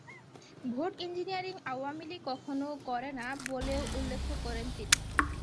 Vote engineering Awami League কখনো করে না বলেও উল্লেখ করেন তিনি।